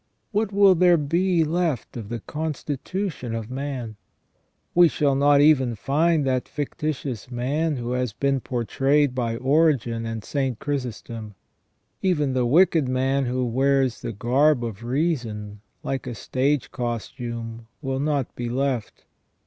What will there be left of the constitution of man ? We shall not even find that fictitious man who has been portrayed by Origen and St. Chrysostom. Even the wicked man who wears the garb of reason, like a stage costume, will not be left.